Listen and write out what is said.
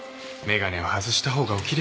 眼鏡は外した方がお奇麗です